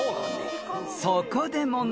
［そこで問題］